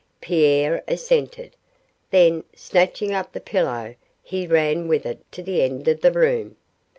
Pierre assented; then, snatching up the pillow, he ran with it to the end of the room.